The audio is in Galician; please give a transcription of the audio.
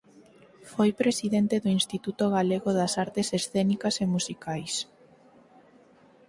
Foi presidente do Instituto Galego das Artes Escénicas e Musicais.